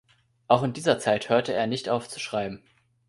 Auch in dieser Zeit hörte er nicht auf zu schreiben.